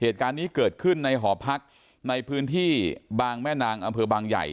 ที่เกิดขึ้นในหอพักในพื้นที่บางแม่นางอำเภอบางใหญ่